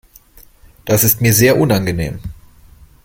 Das ist mir sehr unangenehm.